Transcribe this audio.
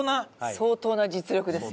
相当な実力ですよ。